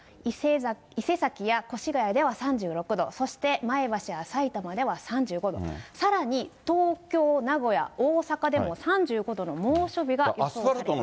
伊勢崎や越谷では３６度、そして前橋やさいたまでは３５度、さらに東京、名古屋、大阪でも３５度の猛暑日が予想されています。